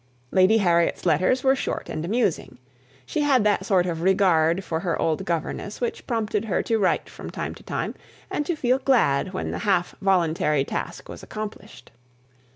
Lady Harriet's letters were short and amusing. She had that sort of regard for her old governess which prompted her to write from time to time, and to feel glad when the half voluntary task was accomplished.